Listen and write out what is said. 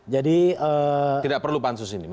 jadi tidak perlu pansus ini